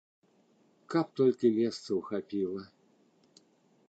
Каб толькі месцаў хапіла!